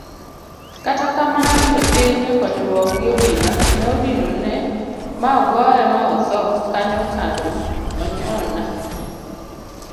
Kata kamano jopiny ekonyruok gi obila ne odinone ma ogoye ma othoo kanyokanyo onyona